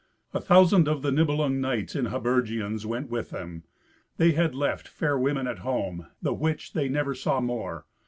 A thousand of the Nibelung knights in habergeons went with them, that had left fair women at home, the which they never saw more.